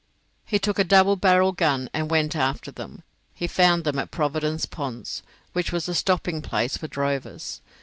He took a double barrelled gun and went after them. He found them at Providence Ponds, which was a stopping place for drovers.